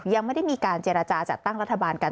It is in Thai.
ยังไม่ได้มีการเจรจาจัดตั้งรัฐบาลกัน